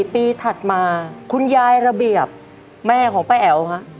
ปีถัดมาคุณยายระเบียบแม่ของป้าแอ๋วฮะ